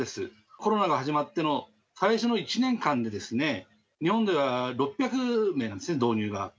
コロナが始まっての、最初の１年間で、日本では６００名なんですね、導入が。